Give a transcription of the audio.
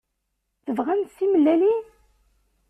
Tebɣamt timellalin?